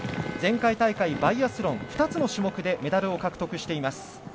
前回大会、バイアスロン２つの種目でメダルを獲得しています。